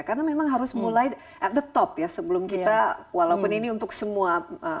karena memang harus mulai at the top ya sebelum kita walaupun ini untuk semua